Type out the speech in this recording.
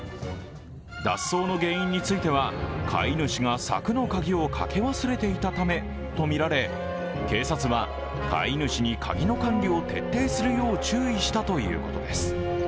脱走の原因については飼い主が柵の鍵をかけ忘れていたためとみられ警察は飼い主に、鍵の管理を徹底するよう注意したということです。